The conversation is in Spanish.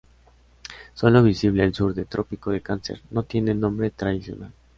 Sólo visible al sur del Trópico de Cáncer, no tiene nombre tradicional.